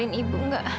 tapi unyi sama itu enak